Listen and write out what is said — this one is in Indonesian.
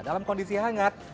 dalam kondisi hangat